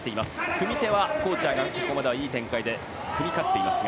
組み手はコーチャーがここまではいい展開で組み勝っていますが。